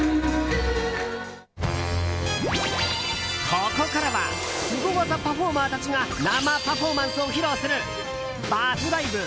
ここからはスゴ技パフォーマーたちが生パフォーマンスを披露するＢＵＺＺＬＩＶＥ！